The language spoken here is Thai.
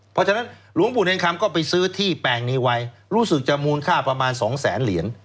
เพราะฉะนั้นหลวงปู่เนรคำก็ไปซื้อที่แปลงในวัยรู้สึกจะมูลค่าประมาณสองแสนเหรียญ